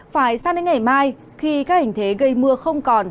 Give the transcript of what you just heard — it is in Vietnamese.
phải sang đến ngày mai khi các hình thế gây mưa không còn